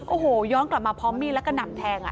โอ้โหย้อนกลับมาพร้อมมีดแล้วก็หนำแทง